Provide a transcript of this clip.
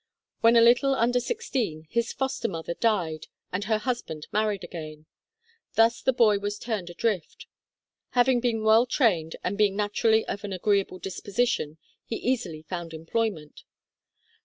When a little under sixteen, his foster mother died and her husband married again. Thus the boy was turned adrift. Having been well trained, and being naturally of an agreeable disposition, he easily found employment.